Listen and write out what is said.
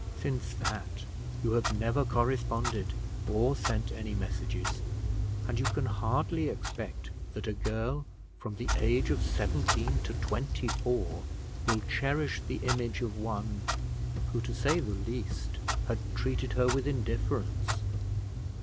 Since that, you have never corresponded or sent any messages; and you can hardly expect that a girl, from the age of seventeen to twenty four, will cherish the image of one, who, to say the least, had treated her with indifference.